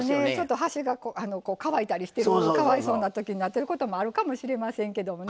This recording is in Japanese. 端が乾いたりしてかわいそうな時になってることもあるかもしれませんけどね。